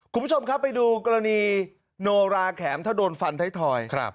คุณผู้ชมครับไปดูกรณีโนราแข็มถ้าโดนฟันไทยทอย